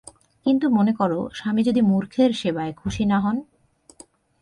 কিন্তু মনে করো, স্বামী যদি মূর্খের সেবায় খুশি না হন?